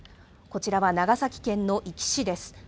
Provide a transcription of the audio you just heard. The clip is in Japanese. こちらは長崎県の壱岐市です。